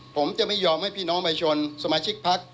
ผมจะไม่ยอมให้พี่น้องไปชนสมาชิกภักดิ์